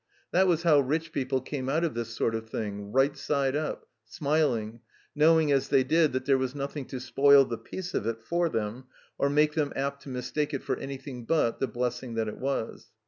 That was how rich people came out of this sort of thing, right side up, smiling, knowing as they did that there was nothing to spoil the peace of it for them, or make them apt to mistake it for any thing but the blessing that it was.